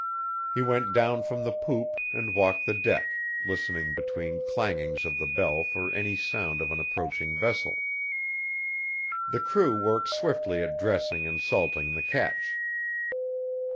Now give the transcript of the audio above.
He went down from the poop and walked the deck, listening between clangings of the bell for any sound of an approaching vessel. The crew worked swiftly at dressing and salting the catch.